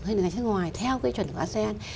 hay là chất ngoài theo cái chuẩn của asean